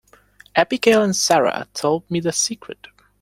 Abigail and Sara told me the secret.